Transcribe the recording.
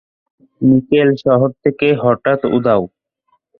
Mikel শহর থেকে হঠাৎ উধাও।